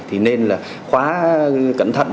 thì nên là khóa cẩn thận